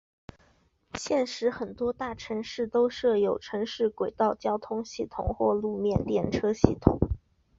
现时很多大城市都设有城市轨道交通系统或路面电车系统。